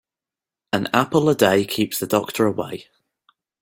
An apple a day keeps the doctor away.